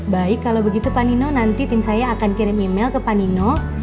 baik kalau begitu pak nino nanti tim saya akan kirim email ke pak nino